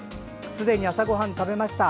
すでに朝ごはん食べました。